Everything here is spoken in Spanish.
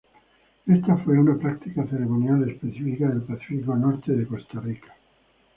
Esta fue una práctica ceremonial específica del Pacífico norte de Costa Rica.